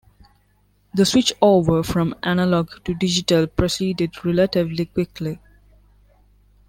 The switch-over from analogue to digital proceeded relatively quickly.